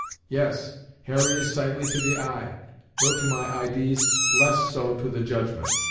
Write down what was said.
"Yes, Harry is sightly to the eye, though, to my idees, less so to the judgment.